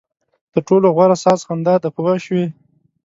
تر ټولو غوره ساز خندا ده پوه شوې!.